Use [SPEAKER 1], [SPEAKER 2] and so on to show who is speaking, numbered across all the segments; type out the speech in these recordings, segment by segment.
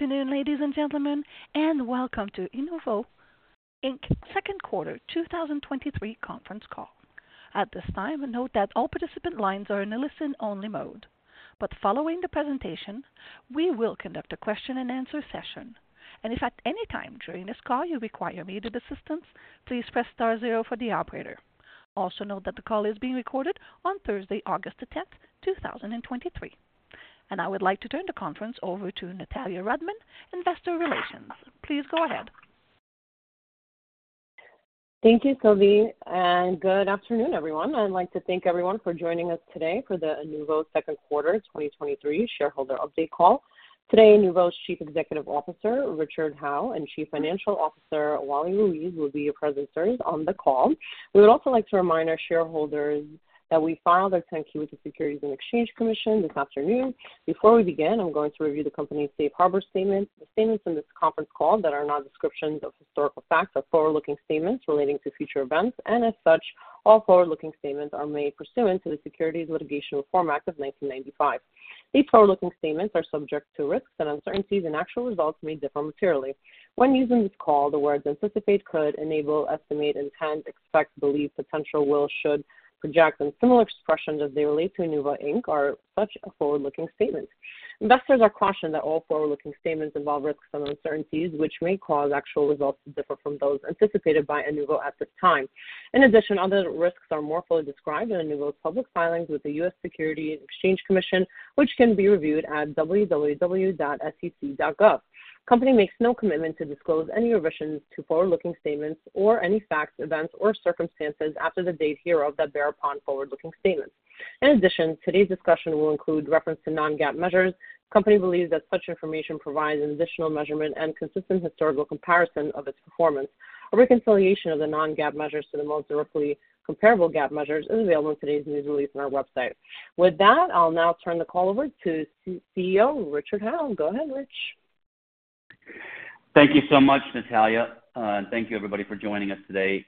[SPEAKER 1] Good afternoon, ladies and gentlemen, and welcome to Inuvo Inc.'s Second Quarter 2023 conference call. At this time, we note that all participant lines are in a listen-only mode. Following the presentation, we will conduct a question-and-answer session. If at any time during this call you require immediate assistance, please press star zero for the operator. Also note that the call is being recorded on Thursday, August 10th, 2023. I would like to turn the conference over to Natalya Rudman, Investor Relations. Please go ahead.
[SPEAKER 2] Thank you, Sylvie, and good afternoon, everyone. I'd like to thank everyone for joining us today for the Inuvo Second Quarter 2023 shareholder update call. Today, Inuvo's Chief Executive Officer, Richard Howe, and Chief Financial Officer, Wally Ruiz, will be your presenters on the call. We would also like to remind our shareholders that we filed our 10-K with the Securities and Exchange Commission this afternoon. Before we begin, I'm going to review the company's safe harbor statement. The statements in this conference call that are not descriptions of historical facts are forward-looking statements relating to future events, and as such, all forward-looking statements are made pursuant to the Private Securities Litigation Reform Act of 1995. These forward-looking statements are subject to risks and uncertainties, and actual results may differ materially. When using this call, the words anticipate, could, enable, estimate, intent, expect, believe, potential, will, should, project, and similar expressions as they relate to Inuvo, Inc., are such a forward-looking statement. Investors are cautioned that all forward-looking statements involve risks and uncertainties, which may cause actual results to differ from those anticipated by Inuvo at this time. In addition, other risks are more fully described in Inuvo's public filings with the U.S. Securities and Exchange Commission, which can be reviewed at www.sec.gov. Company makes no commitment to disclose any revisions to forward-looking statements or any facts, events, or circumstances after the date hereof that bear upon forward-looking statements. In addition, today's discussion will include reference to non-GAAP measures. Company believes that such information provides an additional measurement and consistent historical comparison of its performance. A reconciliation of the non-GAAP measures to the most directly comparable GAAP measures is available in today's news release on our website. With that, I'll now turn the call over to CEO Richard Howe. Go ahead, Rich.
[SPEAKER 3] Thank you so much, Natalya, and thank you everybody for joining us today.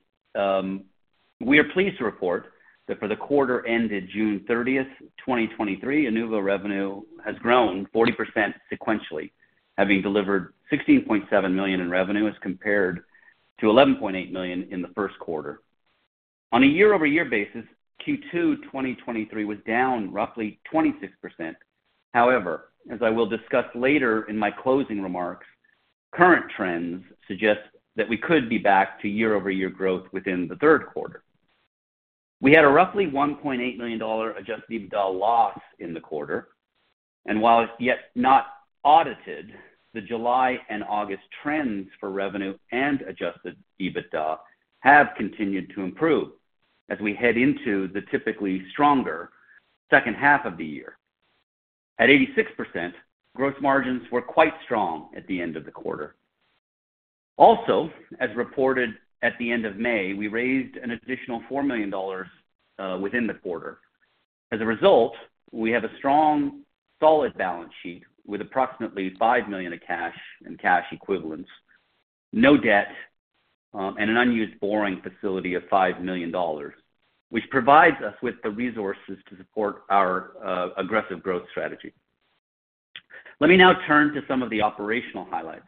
[SPEAKER 3] We are pleased to report that for the quarter ended June 30th, 2023, Inuvo revenue has grown 40% sequentially, having delivered $16.7 million in revenue as compared to $11.8 million in the first quarter. On a year-over-year basis, Q2 2023 was down roughly 26%. As I will discuss later in my closing remarks, current trends suggest that we could be back to year-over-year growth within the third quarter. We had a roughly $1.8 million Adjusted EBITDA loss in the quarter, and while it's yet not audited, the July and August trends for revenue and Adjusted EBITDA have continued to improve as we head into the typically stronger second half of the year. At 86%, growth margins were quite strong at the end of the quarter. As reported at the end of May, we raised an additional $4 million within the quarter. As a result, we have a strong, solid balance sheet with approximately $5 million of cash and cash equivalents, no debt, and an unused borrowing facility of $5 million, which provides us with the resources to support our aggressive growth strategy. Let me now turn to some of the operational highlights.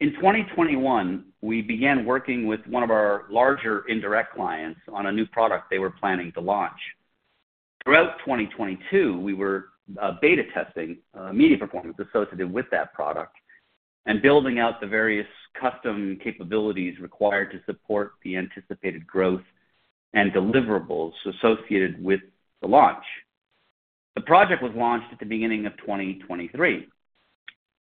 [SPEAKER 3] In 2021, we began working with one of our larger indirect clients on a new product they were planning to launch. Throughout 2022, we were beta testing media performance associated with that product and building out the various custom capabilities required to support the anticipated growth and deliverables associated with the launch. The project was launched at the beginning of 2023.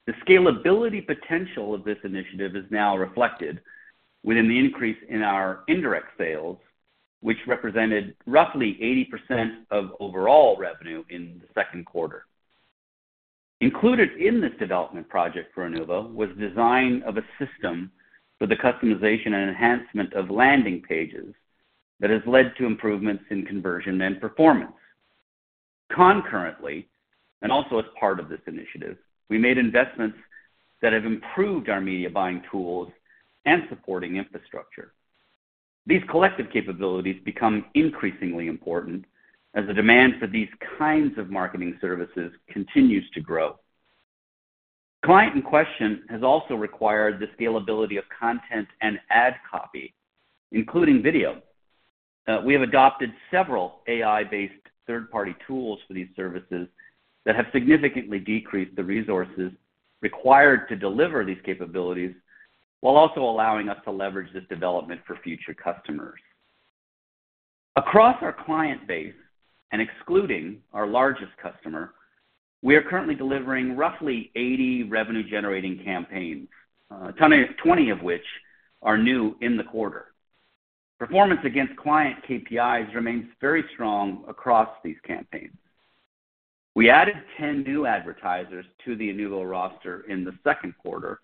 [SPEAKER 3] The scalability potential of this initiative is now reflected within the increase in our indirect sales, which represented roughly 80% of overall revenue in the second quarter. Included in this development project for Inuvo was design of a system for the customization and enhancement of landing pages that has led to improvements in conversion and performance. Concurrently, and also as part of this initiative, we made investments that have improved our media buying tools and supporting infrastructure. These collective capabilities become increasingly important as the demand for these kinds of marketing services continues to grow. The client in question has also required the scalability of content and ad copy, including video. We have adopted several AI-based third-party tools for these services that have significantly decreased the resources required to deliver these capabilities, while also allowing us to leverage this development for future customers. Across our client base and excluding our largest customer, we are currently delivering roughly 80 revenue-generating campaigns, 20, 20 of which are new in the quarter. Performance against client KPIs remains very strong across these campaigns. We added 10 new advertisers to the Inuvo roster in the second quarter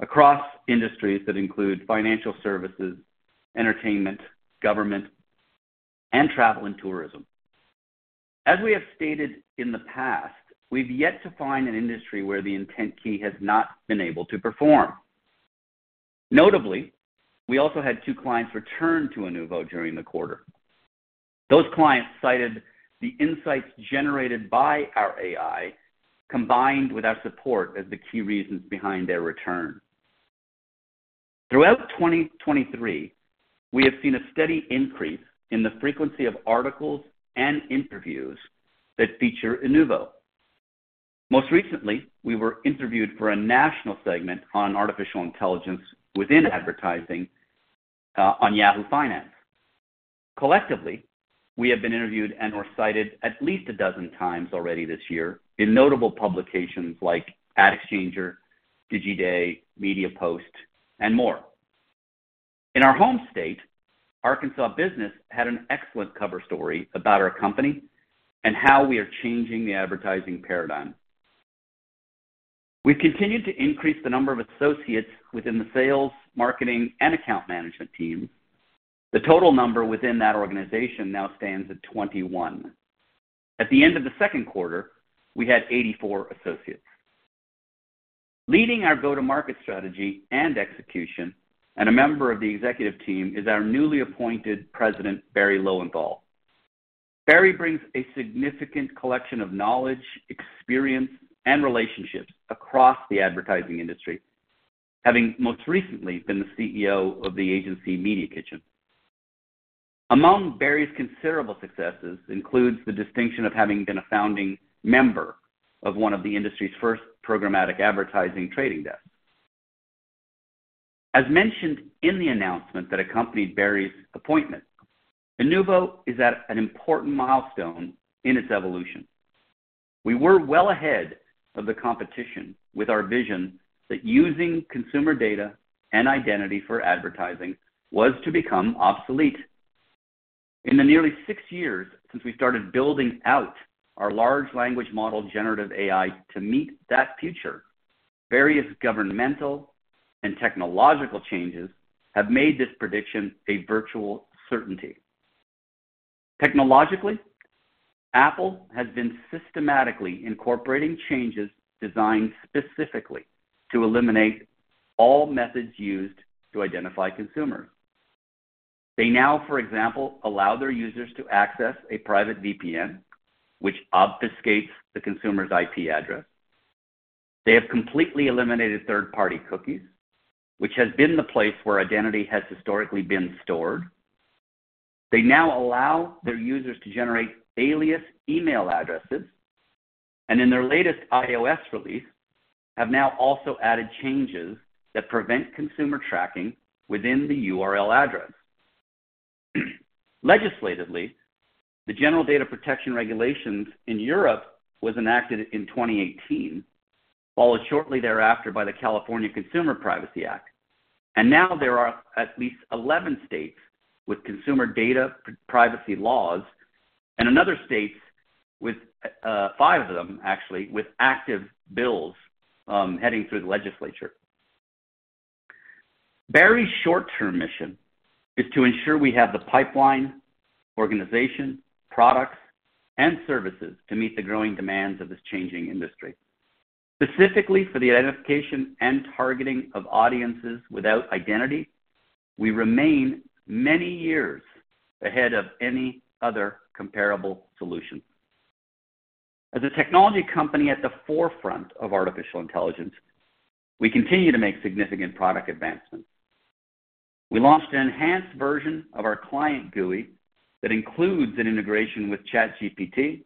[SPEAKER 3] across industries that include financial services, entertainment, government, and travel and tourism. As we have stated in the past, we've yet to find an industry where the IntentKey has not been able to perform. Notably, we also had two clients return to Inuvo during the quarter. Those clients cited the insights generated by our AI, combined with our support, as the key reasons behind their return. Throughout 2023, we have seen a steady increase in the frequency of articles and interviews that feature Inuvo. Most recently, we were interviewed for a national segment on artificial intelligence within advertising on Yahoo Finance. Collectively, we have been interviewed and or cited at least 12 times already this year in notable publications like AdExchanger, Digiday, MediaPost, and more. In our home state, Arkansas Business had an excellent cover story about our company and how we are changing the advertising paradigm. We've continued to increase the number of associates within the sales, marketing, and account management team. The total number within that organization now stands at 21. At the end of the second quarter, we had 84 associates. Leading our go-to-market strategy and execution, and a member of the executive team, is our newly appointed president, Barry Lowenthal. Barry brings a significant collection of knowledge, experience, and relationships across the advertising industry, having most recently been the CEO of the agency Media Kitchen. Among Barry's considerable successes includes the distinction of having been a founding member of one of the industry's first programmatic advertising trading desks. As mentioned in the announcement that accompanied Barry's appointment, Inuvo is at an important milestone in its evolution. We were well ahead of the competition with our vision that using consumer data and identity for advertising was to become obsolete. In the nearly six years since we started building out our large language model, generative AI, to meet that future, various governmental and technological changes have made this prediction a virtual certainty. Technologically, Apple has been systematically incorporating changes designed specifically to eliminate all methods used to identify consumers. They now, for example, allow their users to access a private VPN, which obfuscates the consumer's IP address. They have completely eliminated third-party cookies, which has been the place where identity has historically been stored. They now allow their users to generate alias email addresses, and in their latest iOS release, have now also added changes that prevent consumer tracking within the URL address. Legislatively, the General Data Protection Regulation in Europe was enacted in 2018, followed shortly thereafter by the California Consumer Privacy Act. Now there are at least 11 states with consumer data privacy laws and another state with, five of them, actually, with active bills, heading through the legislature. Barry's short-term mission is to ensure we have the pipeline, organization, products, and services to meet the growing demands of this changing industry. Specifically for the identification and targeting of audiences without identity, we remain many years ahead of any other comparable solution. As a technology company at the forefront of artificial intelligence, we continue to make significant product advancements. We launched an enhanced version of our client GUI that includes an integration with ChatGPT.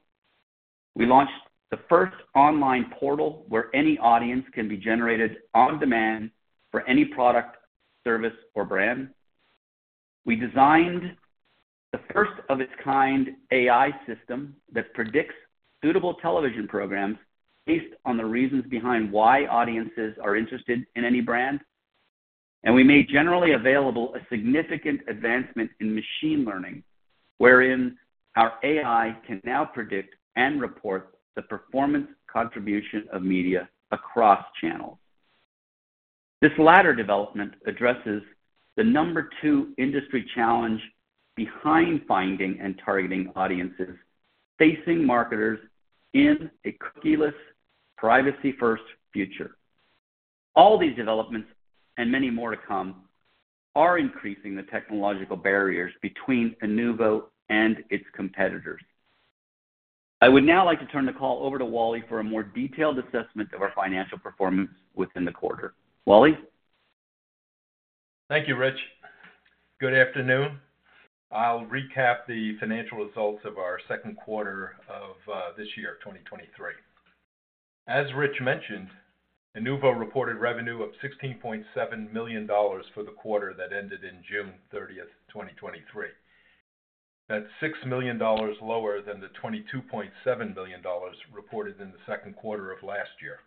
[SPEAKER 3] We launched the first online portal where any audience can be generated on demand for any product, service, or brand. We designed the first-of-its-kind AI system that predicts suitable television programs based on the reasons behind why audiences are interested in any brand. We made generally available a significant advancement in machine learning, wherein our AI can now predict and report the performance contribution of media across channels. This latter development addresses the number two industry challenge behind finding and targeting audiences, facing marketers in a cookieless, privacy-first future. All these developments, and many more to come, are increasing the technological barriers between Inuvo and its competitors. I would now like to turn the call over to Wally for a more detailed assessment of our financial performance within the quarter. Wally?
[SPEAKER 4] Thank you, Rich. Good afternoon. I'll recap the financial results of our second quarter of this year, 2023. As Rich mentioned, Inuvo reported revenue of $16.7 million for the quarter that ended in June 30, 2023. That's $6 million lower than the $22.7 million reported in the second quarter of last year.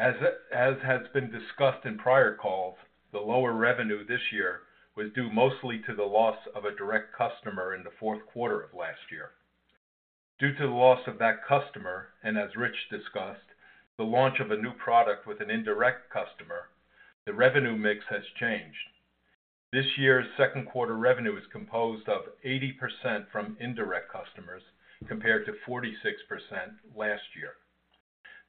[SPEAKER 4] As has been discussed in prior calls, the lower revenue this year was due mostly to the loss of a direct customer in the fourth quarter of last year. Due to the loss of that customer, and as Rich discussed, the launch of a new product with an indirect customer, the revenue mix has changed. This year's second quarter revenue is composed of 80% from indirect customers, compared to 46% last year.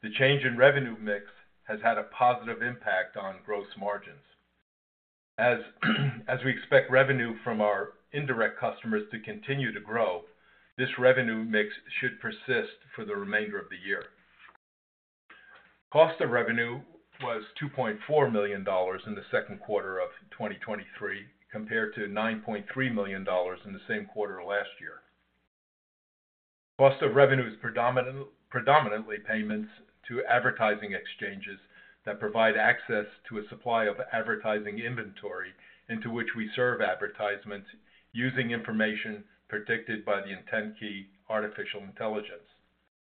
[SPEAKER 4] The change in revenue mix has had a positive impact on gross margins. As we expect revenue from our indirect customers to continue to grow, this revenue mix should persist for the remainder of the year. Cost of revenue was $2.4 million in the second quarter of 2023, compared to $9.3 million in the same quarter last year. Cost of revenue is predominantly payments to advertising exchanges that provide access to a supply of advertising inventory into which we serve advertisements, using information predicted by the IntentKey artificial intelligence.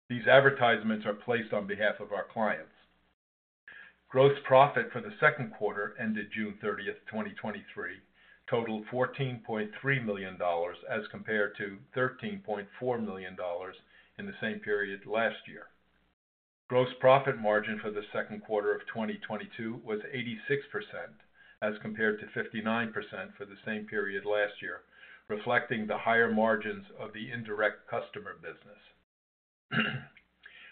[SPEAKER 4] These advertisements are placed on behalf of our clients. Gross profit for the second quarter, ended June 30th, 2023, totaled $14.3 million, as compared to $13.4 million in the same period last year. Gross profit margin for the second quarter of 2022 was 86%, as compared to 59% for the same period last year, reflecting the higher margins of the indirect customer business.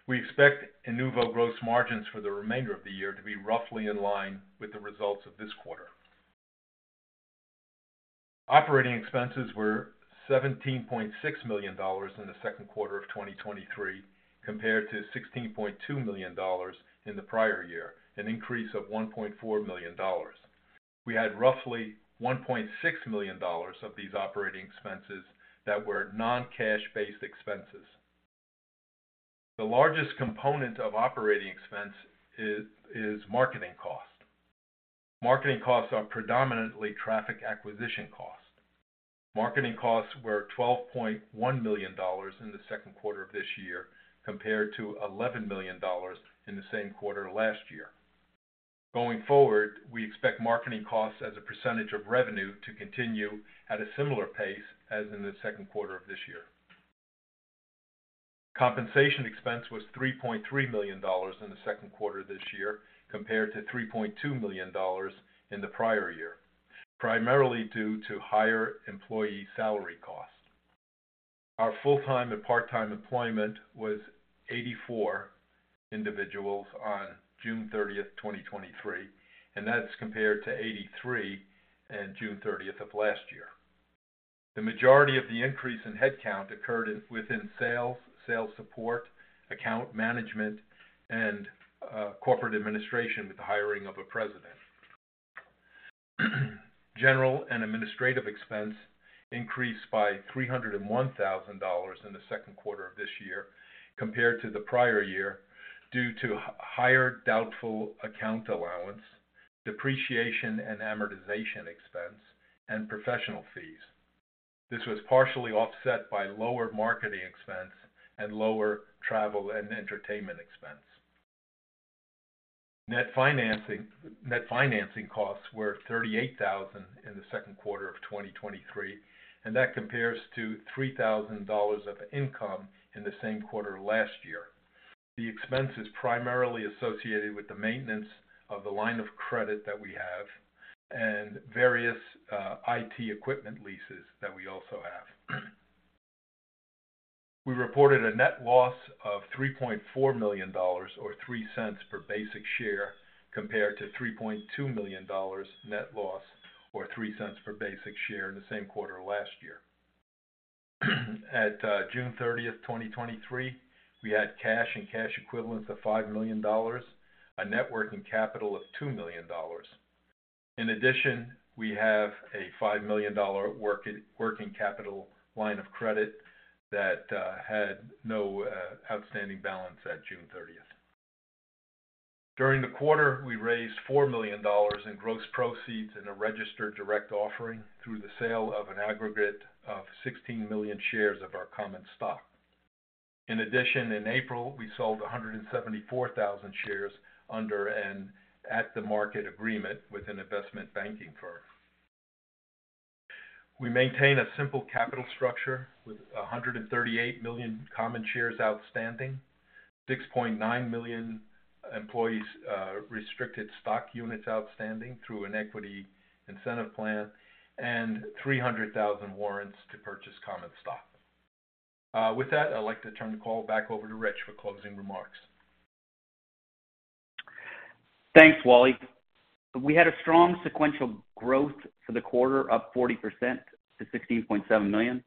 [SPEAKER 4] We expect Inuvo gross margins for the remainder of the year to be roughly in line with the results of this quarter. Operating expenses were $17.6 million in the second quarter of 2023, compared to $16.2 million in the prior year, an increase of $1.4 million. We had roughly $1.6 million of these operating expenses that were non-cash-based expenses. The largest component of operating expense is marketing cost. Marketing costs are predominantly traffic acquisition costs. Marketing costs were $12.1 million in the second quarter of this year, compared to $11 million in the same quarter last year. Going forward, we expect marketing costs as a percentage of revenue to continue at a similar pace as in the second quarter of this year. Compensation expense was $3.3 million in the second quarter this year, compared to $3.2 million in the prior year, primarily due to higher employee salary costs. Our full-time and part-time employment was 84 individuals on June 30th, 2023, and that's compared to 83 in June 30th of last year. The majority of the increase in headcount occurred in, within sales, sales support, account management, and corporate administration, with the hiring of a President. General and administrative expense increased by $301,000 in the second quarter of this year compared to the prior year, due to higher doubtful account allowance, depreciation and amortization expense, and professional fees. This was partially offset by lower marketing expense and lower travel and entertainment expense. Net financing, net financing costs were $38,000 in the second quarter of 2023. That compares to $3,000 of income in the same quarter last year. The expense is primarily associated with the maintenance of the line of credit that we have and various IT equipment leases that we also have. We reported a net loss of $3.4 million, or $0.03 per basic share, compared to $3.2 million net loss, or $0.03 per basic share in the same quarter last year. At June 30th, 2023, we had cash and cash equivalents of $5 million, a net working capital of $2 million. We have a $5 million working capital line of credit that had no outstanding balance at June 30th. During the quarter, we raised $4 million in gross proceeds in a registered direct offering through the sale of an aggregate of $16 million shares of our common stock. In April, we sold 174,000 shares under an at-the-market agreement with an investment banking firm. We maintain a simple capital structure with $138 million common shares outstanding, 6.9 million employees, restricted stock units outstanding through an equity incentive plan, and 300,000 warrants to purchase common stock. With that, I'd like to turn the call back over to Rich for closing remarks.
[SPEAKER 3] Thanks, Wally. We had a strong sequential growth for the quarter, up 40% to $16.7 million.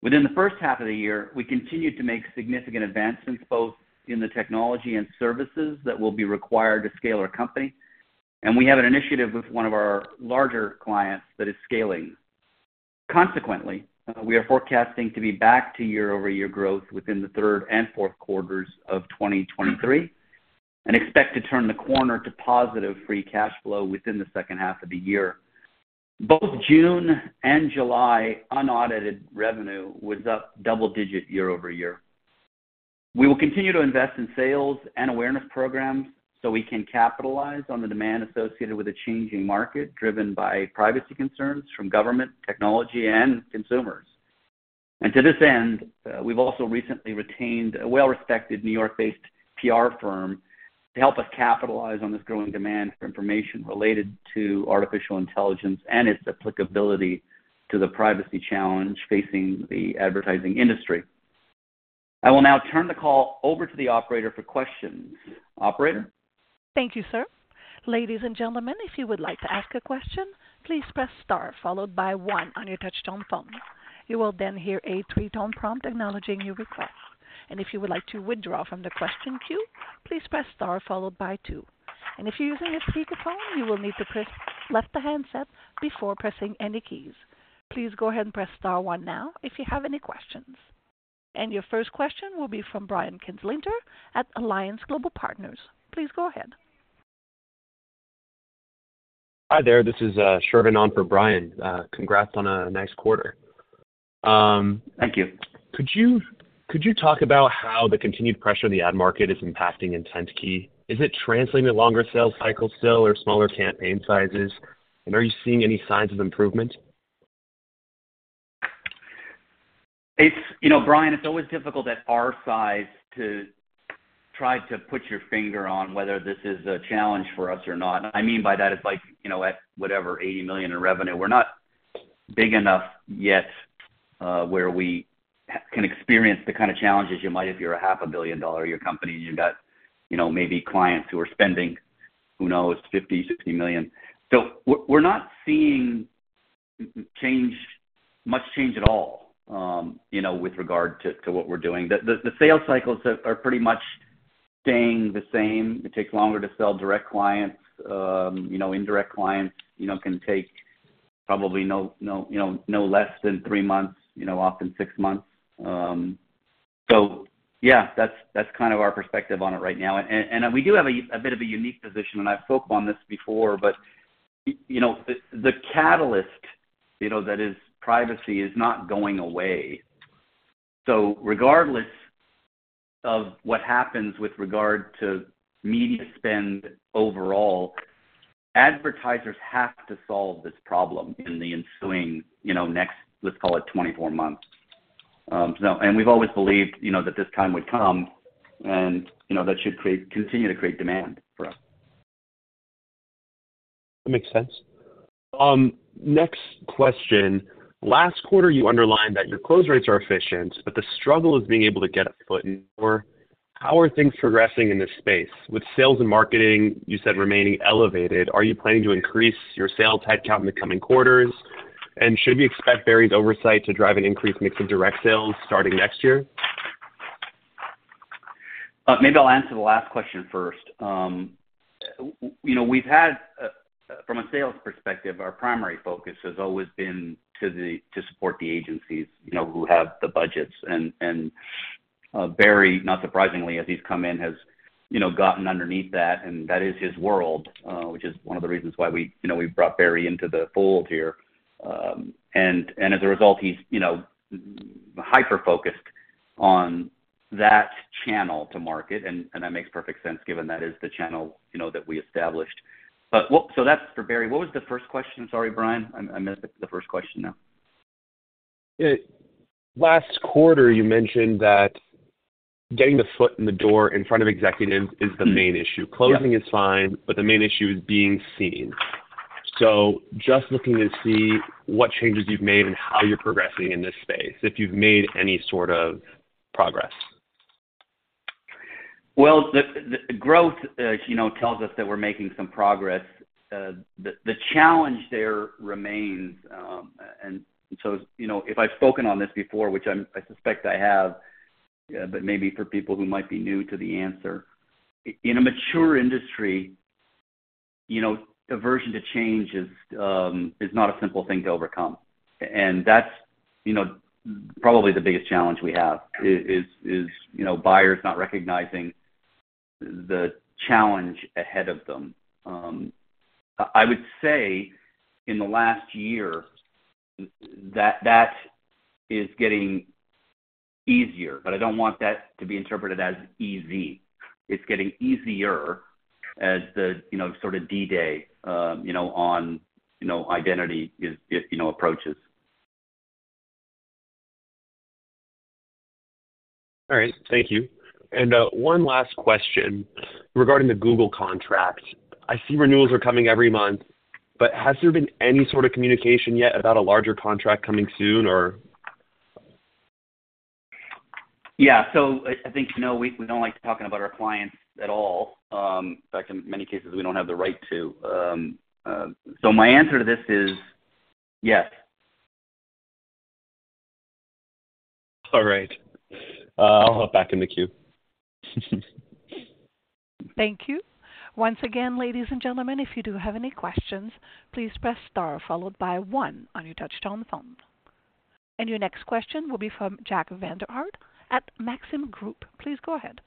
[SPEAKER 3] Within the first half of the year, we continued to make significant advancements, both in the technology and services that will be required to scale our company. We have an initiative with one of our larger clients that is scaling. Consequently, we are forecasting to be back to year-over-year growth within the third and fourth quarters of 2023. Expect to turn the corner to positive free cash flow within the second half of the year. Both June and July, unaudited revenue was up double digits year-over-year. We will continue to invest in sales and awareness programs so we can capitalize on the demand associated with the changing market, driven by privacy concerns from government, technology, and consumers. To this end, we've also recently retained a well-respected New York-based PR firm to help us capitalize on this growing demand for information related to artificial intelligence and its applicability to the privacy challenge facing the advertising industry. I will now turn the call over to the operator for questions. Operator?
[SPEAKER 1] Thank you, sir. Ladies and gentlemen, if you would like to ask a question, please press star one on your touch-tone phone. You will then hear a three-tone prompt acknowledging your request. If you would like to withdraw from the question queue, please press star two. If you're using a speakerphone, you will need to press left the handset before pressing any keys. Please go ahead and press star one now if you have any questions. Your first question will be from Brian Kinstlinger at Alliance Global Partners. Please go ahead.
[SPEAKER 5] Hi there. This is Shervin on for Brian. Congrats on a nice quarter.
[SPEAKER 3] Thank you.
[SPEAKER 5] Could you talk about how the continued pressure in the ad market is impacting IntentKey? Is it translating to longer sales cycles still or smaller campaign sizes? Are you seeing any signs of improvement?
[SPEAKER 3] It's, you know, Brian, it's always difficult at our size to try to put your finger on whether this is a challenge for us or not. I mean by that, it's like, you know, at whatever, $80 million in revenue, we're not big enough yet, where we can experience the kind of challenges you might if you're a $500 million company, and you've got, you know, maybe clients who are spending, who knows, $50 million, $60 million. We're, we're not seeing much change at all, you know, with regard to, to what we're doing. The, the, the sales cycles are, are pretty much staying the same. It takes longer to sell direct clients. You know, indirect clients, you know, can take probably no, no, you know, no less than three months, you know, often six months. Yeah, that's, that's kind of our perspective on it right now. We do have a, a bit of a unique position, and I've spoken on this before, but, you know, the, the catalyst, you know, that is privacy is not going away. Regardless of what happens with regard to media spend overall, advertisers have to solve this problem in the ensuing, you know, next, let's call it 24 months. And we've always believed, you know, that this time would come, and, you know, that should create-- continue to create demand for us.
[SPEAKER 5] That makes sense. Next question. Last quarter, you underlined that your close rates are efficient, but the struggle is being able to get a foot in door. How are things progressing in this space? With sales and marketing, you said, remaining elevated, are you planning to increase your sales headcount in the coming quarters? Should we expect Barry's oversight to drive an increased mix of direct sales starting next year?
[SPEAKER 3] Maybe I'll answer the last question first. You know, we've had, from a sales perspective, our primary focus has always been to the, to support the agencies, you know, who have the budgets. Barry, not surprisingly, as he's come in, has, you know, gotten underneath that, and that is his world, which is one of the reasons why we, you know, we brought Barry into the fold here. As a result, he's, you know, hyper-focused on that channel to market, and that makes perfect sense, given that is the channel, you know, that we established. That's for Barry. What was the first question? Sorry, Brian. I, I missed the, the first question now.
[SPEAKER 5] Last quarter, you mentioned that getting the foot in the door in front of executives is the main issue.
[SPEAKER 3] Yeah.
[SPEAKER 5] Closing is fine, but the main issue is being seen. Just looking to see what changes you've made and how you're progressing in this space, if you've made any sort of progress?
[SPEAKER 3] Well, the, the growth, you know, tells us that we're making some progress. The challenge there remains, and so, you know, if I've spoken on this before, which I suspect I have, but maybe for people who might be new to the answer. In a mature industry, you know, aversion to change is not a simple thing to overcome, and that's, you know, probably the biggest challenge we have, is, you know, buyers not recognizing the challenge ahead of them. I would say in the last year, that, that is getting easier, but I don't want that to be interpreted as easy. It's getting easier as the, you know, sort of D-Day, you know, on, you know, identity is, you know, approaches.
[SPEAKER 5] All right, thank you. One last question regarding the Google contract. I see renewals are coming every month, but has there been any sort of communication yet about a larger contract coming soon or?
[SPEAKER 3] Yeah. I, I think, you know, we, we don't like talking about our clients at all. In fact, in many cases, we don't have the right to. My answer to this is yes.
[SPEAKER 5] All right. I'll hop back in the queue.
[SPEAKER 1] Thank you. Once again, ladies and gentlemen, if you do have any questions, please press star followed by 1 on your touchtone phone. Your next question will be from Jack Vander Aarde at Maxim Group. Please go ahead.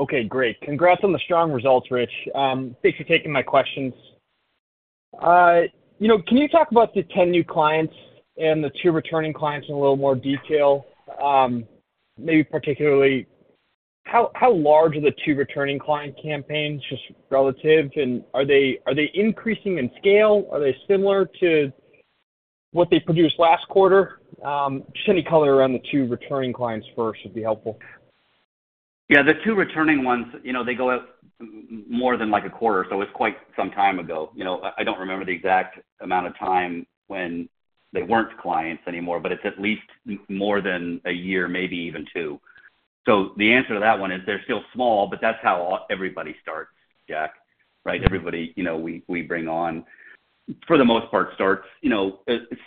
[SPEAKER 6] Okay, great. Congrats on the strong results, Rich. Thanks for taking my questions. You know, can you talk about the 10 new clients and the two returning clients in a little more detail? Maybe particularly, how large are the two returning client campaigns, just relative? Are they, are they increasing in scale? Are they similar to what they produced last quarter? Just any color around the two returning clients first would be helpful.
[SPEAKER 3] Yeah, the two returning ones, you know, they go out more than, like, a quarter, so it's quite some time ago. You know, I, I don't remember the exact amount of time when they weren't clients anymore, but it's at least more than a year, maybe even two. The answer to that one is they're still small, but that's how everybody starts, Jack, right? Everybody, you know, we, we bring on, for the most part, starts, you know,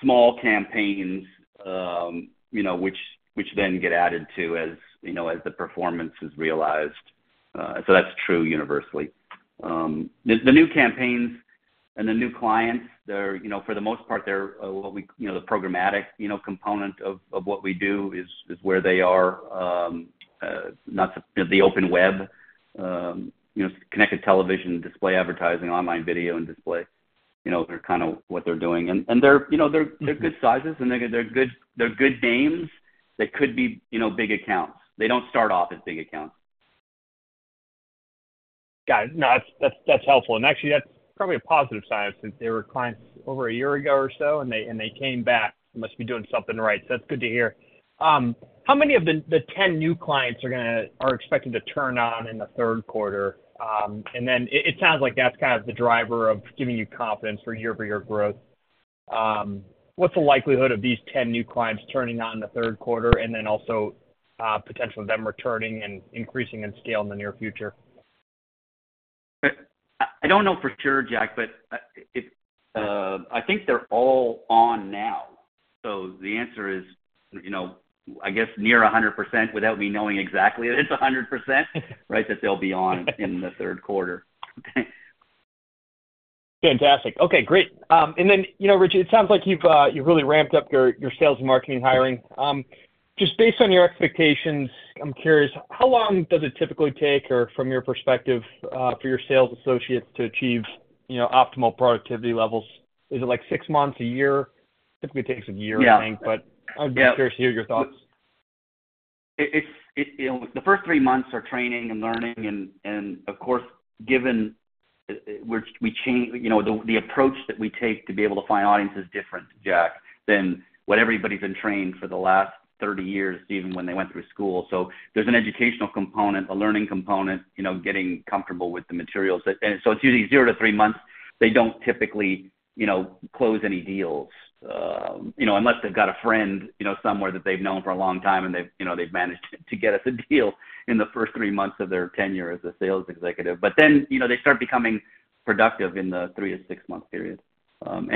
[SPEAKER 3] small campaigns, you know, which, which then get added to as, you know, as the performance is realized. So that's true universally. The, the new campaigns and the new clients, they're, you know, for the most part, they're, what we-- you know, the programmatic, you know, component of, of what we do is, is where they are. not the, the open web, you know, connected television, display advertising, online video, and display. You know, they're kind of what they're doing. They're, you know, they're-.
[SPEAKER 6] Mm-hmm....
[SPEAKER 3] they're good sizes, and they're, they're good, they're good names that could be, you know, big accounts. They don't start off as big accounts.
[SPEAKER 6] Got it. No, that's, that's, that's helpful. Actually, that's probably a positive sign since they were clients over a year ago or so, and they, and they came back. You must be doing something right, that's good to hear. How many of the, the 10 new clients are gonna-- are expecting to turn on in the third quarter? It, it sounds like that's kind of the driver of giving you confidence for year-over-year growth. What's the likelihood of these 10 new clients turning on in the third quarter and then also, potential of them returning and increasing in scale in the near future?
[SPEAKER 3] I don't know for sure, Jack, but, it, I think they're all on now. So the answer is, you know, I guess near 100%, without me knowing exactly if it's 100%, right? That they'll be on in the third quarter.
[SPEAKER 6] Fantastic. Okay, great. Then, you know, Richard, it sounds like you've, you've really ramped up your, your sales and marketing hiring. Just based on your expectations, I'm curious, how long does it typically take, or from your perspective, for your sales associates to achieve, you know, optimal productivity levels? Is it, like, six months, one year? Typically takes one year, I think.
[SPEAKER 3] Yeah.
[SPEAKER 6] I'd be curious to hear your thoughts.
[SPEAKER 3] It's, you know, the first three months are training and learning and of course, given which we change. You know, the approach that we take to be able to find audience is different, Jack, than what everybody's been trained for the last 30 years, even when they went through school. There's an educational component, a learning component, you know, getting comfortable with the materials. It's usually 0-3 months. They don't typically, you know, close any deals, you know, unless they've got a friend, you know, somewhere that they've known for a long time, and they've, you know, they've managed to get us a deal in the first 3 months of their tenure as a sales executive. Then, you know, they start becoming productive in the 3-6 month period.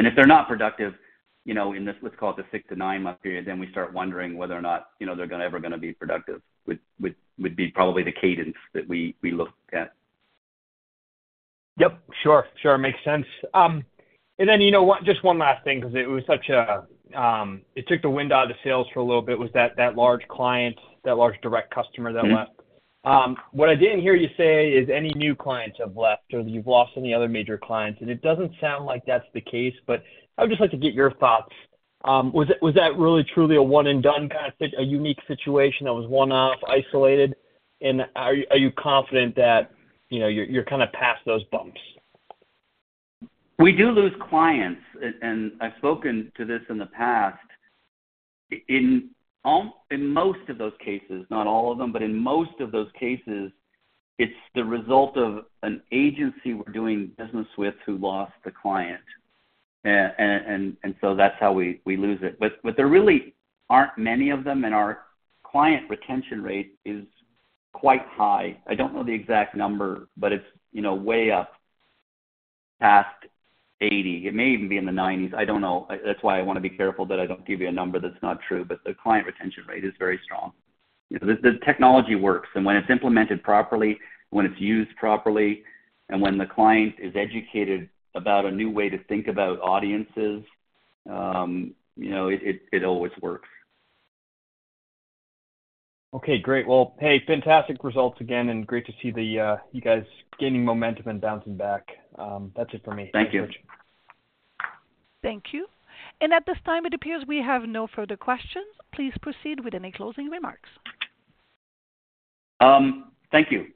[SPEAKER 3] If they're not productive, you know, in this, let's call it the six- to nine-month period, then we start wondering whether or not, you know, they're gonna ever gonna be productive, would be probably the cadence that we, we look at.
[SPEAKER 6] Yep, sure, sure. Makes sense. You know what? Just one last thing, because it took the wind out of the sails for a little bit, was that, that large client, that large direct customer that left.
[SPEAKER 3] Mm-hmm.
[SPEAKER 6] What I didn't hear you say is any new clients have left, or you've lost any other major clients, and it doesn't sound like that's the case, but I would just like to get your thoughts. Was that, was that really truly a one-and-done kind of thing, a unique situation that was one-off, isolated? Are you, are you confident that, you know, you're, you're kind of past those bumps?
[SPEAKER 3] We do lose clients, and, and I've spoken to this in the past. In most of those cases, not all of them, but in most of those cases, it's the result of an agency we're doing business with who lost the client. And, and so that's how we, we lose it. But there really aren't many of them, and our client retention rate is quite high. I don't know the exact number, but it's, you know, way up past 80. It may even be in the 90s. I don't know. That's why I want to be careful that I don't give you a number that's not true, but the client retention rate is very strong. The, the technology works, and when it's implemented properly, when it's used properly, and when the client is educated about a new way to think about audiences, you know, it, it, it always works.
[SPEAKER 6] Okay, great. Well, hey, fantastic results again, and great to see the, you guys gaining momentum and bouncing back. That's it for me.
[SPEAKER 3] Thank you.
[SPEAKER 1] Thank you. At this time, it appears we have no further questions. Please proceed with any closing remarks.
[SPEAKER 3] Thank you,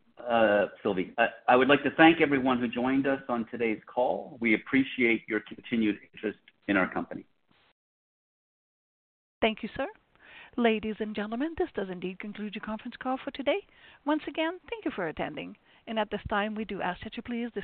[SPEAKER 3] Sylvie. I would like to thank everyone who joined us on today's call. We appreciate your continued interest in our company.
[SPEAKER 1] Thank you, sir. Ladies and gentlemen, this does indeed conclude your conference call for today. Once again, thank you for attending. At this time, we do ask that you please disconnect.